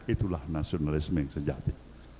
itulah nasionalisme yang sejati